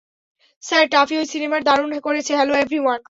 Sir, Taffy ওই সিনেমায় দারুণ করেছে হ্যাঁলো এভ্রিওয়ান।